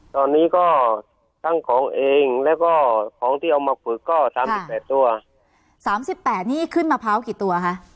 ตอนนี้ก็ทั้งของเองแล้วก็ของที่เอามาฝึกก็สามสิบแปดตัวสามสิบแปดนี่ขึ้นมะพร้าวกี่ตัวคะ